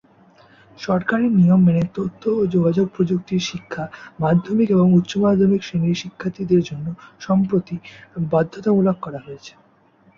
সরকারি নিয়ম মেনে তথ্য ও যোগাযোগ প্রযুক্তির শিক্ষা মাধ্যমিক এবং উচ্চ মাধ্যমিক শ্রেণির শিক্ষার্থীদের জন্য সম্প্রতি বাধ্যতামূলক করা হয়েছে।